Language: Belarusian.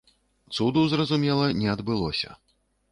Цуду, зразумела, не адбылося.